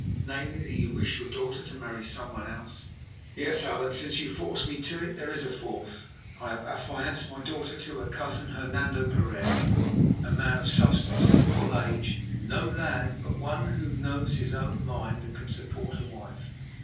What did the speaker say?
Namely, that you wish your daughter to marry someone else." "Yes, Allan; since you force me to it, there is a fourth. I have affianced my daughter to her cousin, Hernando Pereira, a man of substance and full age; no lad, but one who knows his own mind and can support a wife."